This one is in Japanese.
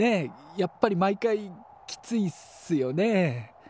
やっぱり毎回きついっすよね？